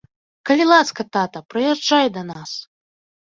Калі ласка, тата, прыязджай да нас.